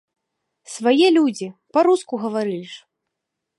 Свае людзі, па-руску гаварылі ж!